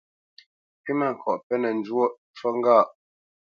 Kywítmâŋkɔʼ penə́ njwōʼ, ncú ŋgâʼ.